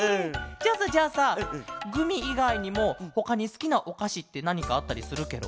じゃあさじゃあさグミいがいにもほかにすきなおかしってなにかあったりするケロ？